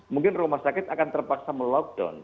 mungkin rumah sakit akan terpaksa melockdown